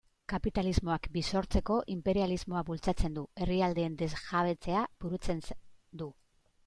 Kapitalismoak birsortzeko inperialismoa bultzatzen du, herrialdeen desjabetzea burutzen du...